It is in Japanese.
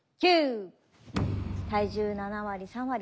９。体重７割３割。